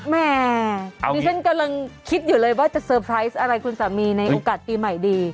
แม่ดิฉันกำลังคิดอยู่เลยว่าจะเตอร์ไพรส์อะไรคุณสามีในโอกาสปีใหม่ดี